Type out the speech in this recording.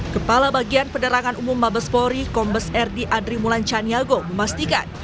kepala bagian pederangan umum mabes polri kombes rd andri mulan caniago memastikan